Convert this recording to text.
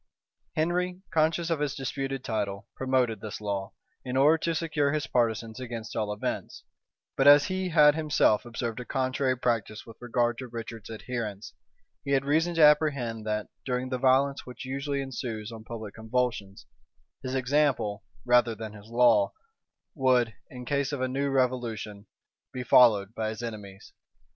Henry, conscious of his disputed title, promoted this law, in order to secure his partisans against all events; but as he had himself observed a contrary practice with regard to Richard's adherents, he had reason to apprehend that, during the violence which usually ensues on public convulsions, his example, rather than his law, would, in case of a new revolution, be followed by his enemies.